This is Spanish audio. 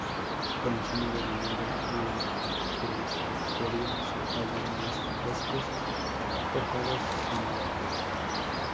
Por encima de la nave y el presbiterio se hallan cascos forjados similares.